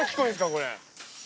これ。